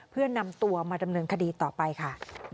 เพื่อนำตัวมาดำเนินคดีต่อไปค่ะ